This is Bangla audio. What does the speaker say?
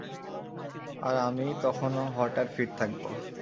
আর আমি তখনও হট আর ফিট থাকব।